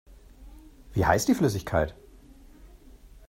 Wie heißt die Flüssigkeit?